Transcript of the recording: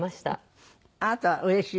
あなたはうれしい？